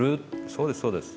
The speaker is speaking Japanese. そうですそうです。